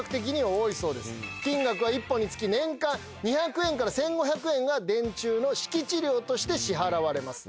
金額は一本につき年間２００円から１，５００円が電柱の敷地料として支払われます。